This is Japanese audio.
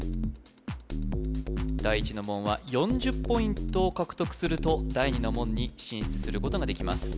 第一の門は４０ポイントを獲得すると第二の門に進出することができます